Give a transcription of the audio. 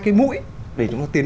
cái mũi để chúng ta tiến